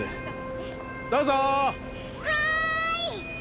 はい！